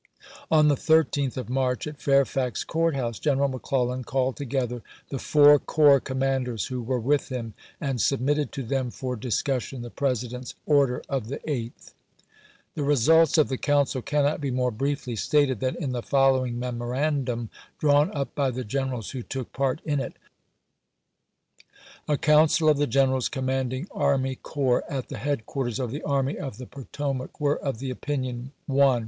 On the 13th of March, at Fairfax Court House, General McClellan called together the foui* corps commanders who were with him and submitted to them for discussion the President's order of the 8th. Chap. X. W. R. Vol. v., p. 54. J. H., Diary. 180 ABEAHAM LINCOLN CH.\r. X. The results of the council cannot be more briefly stated than in the following memorandum, drawn up by the generals who took part in it : A council of the generals commanding army corps at the headquarters of the Army of the Potomac were of the opinion : I.